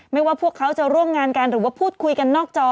ว่าพวกเขาจะร่วมงานกันหรือว่าพูดคุยกันนอกจอ